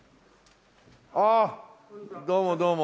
ああどうもどうも。